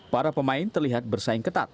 para pemain terlihat bersaing ketat